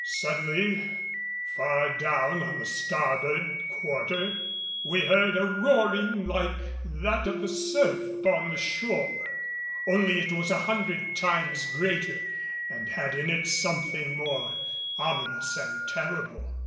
Suddenly far down on the starboard quarter we heard a roaring like that of the surf upon the shore; only it was a hundred times greater and had in it something more ominous and terrible.